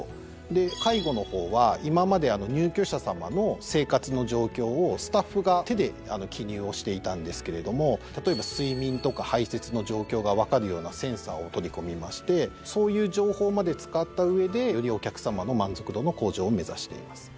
で介護の方は今まで入居者さまの生活の状況をスタッフが手で記入をしていたんですけれども例えば睡眠とか排せつの状況が分かるようなセンサーを取り込みましてそういう情報まで使った上でよりお客さまの満足度の向上を目指しています。